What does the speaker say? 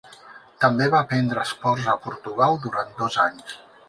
També va aprendre esports a Portugal durant dos anys.